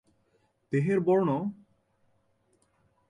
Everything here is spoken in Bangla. দেহের বর্ণ আর ঠোঁট গোলাপী থাকে।